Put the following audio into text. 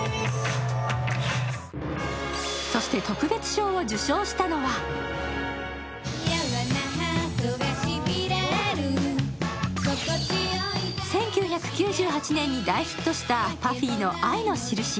そして、特別賞を受賞したのは１９９８年に大ヒットしたＰＵＦＦＹの「愛のしるし」。